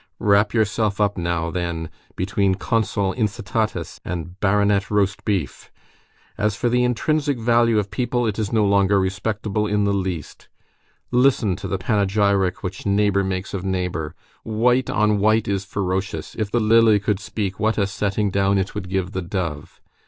Wrap yourself up now, then, between Consul Incitatus and Baronet Roastbeef. As for the intrinsic value of people, it is no longer respectable in the least. Listen to the panegyric which neighbor makes of neighbor. White on white is ferocious; if the lily could speak, what a setting down it would give the dove!